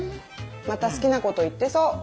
また好きなこと言ってそう。